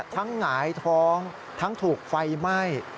หงายท้องทั้งถูกไฟไหม้